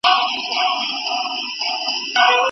سټریپټوکوکاسی مایټس زموږ د خولې برخه ده.